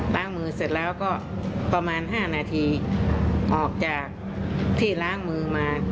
ล้างมือเสร็จแล้วก็ประมาณ๕นาทีออกจากที่ล้างมือมา